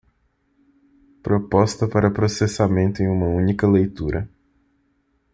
Proposta para processamento em uma única leitura.